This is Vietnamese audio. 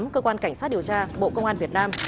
cơ quan cảnh sát điều tra bộ công an việt nam